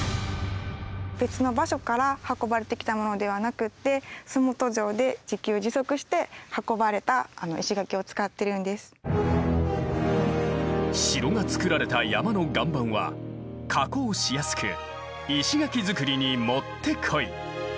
別の場所から運ばれてきたものではなくって洲本城で城が造られた山の岩盤は加工しやすく石垣造りにもってこい。